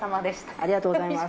ありがとうございます。